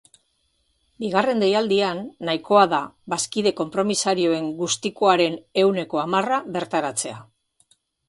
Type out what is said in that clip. Bigarren deialdian, nahikoa da bazkide konpromisarioen guztizkoaren ehuneko hamarra bertaratzea.